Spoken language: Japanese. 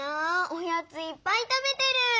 おやついっぱい食べてる！